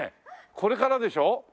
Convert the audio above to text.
これからでしょ？